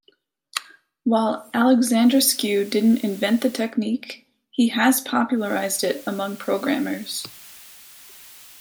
While Alexandrescu didn't invent the technique, he has popularized it among programmers.